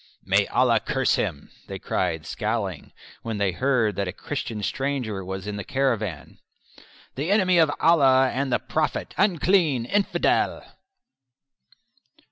"May Allah curse him!" they cried, scowling, when they heard that a Christian stranger was in the caravan. "The enemy of Allah and the prophet! Unclean! Infidel!"